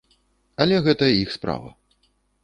Але гэта іх справа.